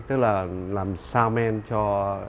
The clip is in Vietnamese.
tức là làm soundman cho